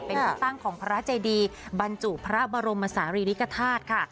เป็นตั้งของพระใจดีบรรจุพระบรมสาริริกภาษณ์ค่ะ